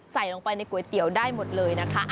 ใส่ลงไปในก๋วยเตี๋ยวได้หมดเลยนะคะ